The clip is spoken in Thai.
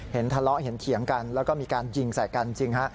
เห็นทะเลาะเห็นเถียงกันแล้วก็มีการยิงใส่กันจริงฮะ